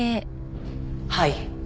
はい。